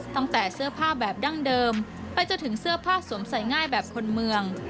ตั้งแต่เสื้อผ้าแบบดั้งเดิมไปจนถึงเสื้อผ้าสวมใส่ง่ายแบบคนเมือง